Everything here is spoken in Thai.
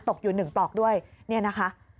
ตกอยู่๑ปลอกด้วยเนี่ยนะคะ